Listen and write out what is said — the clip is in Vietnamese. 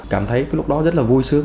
cảm thấy lúc đó rất là vui sướng